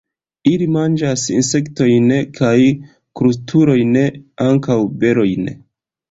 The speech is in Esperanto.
Ili manĝas insektojn kaj krustulojn; ankaŭ berojn.